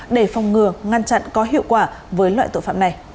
để phòng ngừa ngăn chặn có hiệu quả với loại tội phạm này